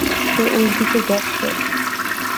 সে ওইদিকে গেছে!